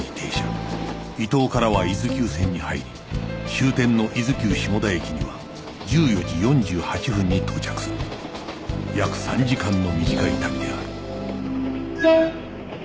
伊東からは伊豆急線に入り終点の伊豆急下田駅には１４時４８分に到着する約３時間の短い旅である